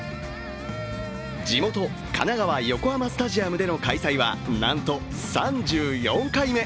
地元・神奈川、横浜スタジアムでの開催はなんと３４回目。